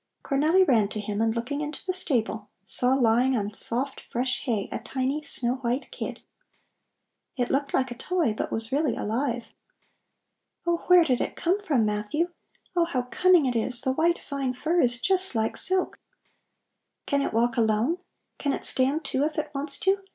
Cornelli ran to him, and looking into the stable, saw lying on soft fresh hay a tiny, snow white kid. It looked like a toy, but was really alive. "Oh, where did it come from, Matthew? Oh, how cunning it is! The white fine fur is just like silk! Can it walk alone? Can it stand, too, if it wants to?